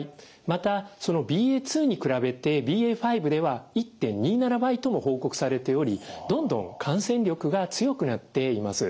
またそのＢＡ．２に比べてＢＡ．５では１．２７倍とも報告されておりどんどん感染力が強くなっています。